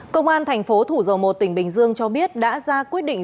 công an tp thủ dầu một tỉnh bình dương cho biết đã ra quyết định